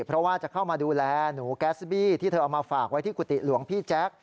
เพราะว่าจะเข้ามาดูแลหนูแก๊สบี้ที่เธอเอามาฝากไว้ที่กุฏิหลวงพี่แจ๊ค